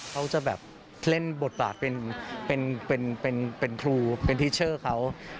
เขาจะแบบเล่นบทบาทเป็นทรูเป็นทิเชอร์เขา